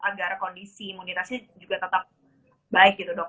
agar kondisi imunitasnya juga tetap baik gitu dok